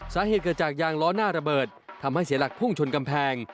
สาเหตุเกิดจากยางล้อหน้าระเบิดทำให้เสียหลักพุ่งชนกำแพง